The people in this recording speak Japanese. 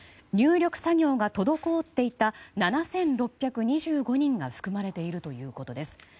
入力作業が滞っていた７６２５人が含まれているということです。